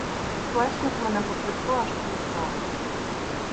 Плеснув мене по плечу, аж хруснуло.